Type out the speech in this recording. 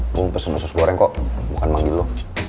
gue mau pesen sos goreng kok bukan manggil lo